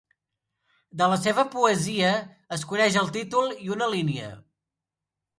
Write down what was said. De la seva poesia es coneix el títol i una línia.